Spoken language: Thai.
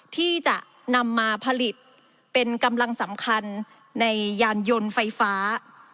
ที่จะนำมาผลิตเป็นกำลังสำคัญในยานยนต์ไฟฟ้า